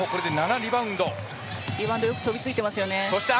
リバウンドよく飛びついています。